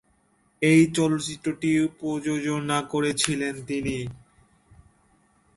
এই চলচ্চিত্রটিও প্রযোজনা করেছিলেন তিনি।